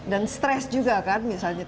dan stress juga kan misalnya